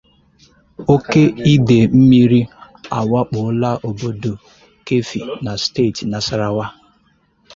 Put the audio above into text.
Oke Idei Mmiri Awakpola Obodo Keffi Na Steeti Nasarawa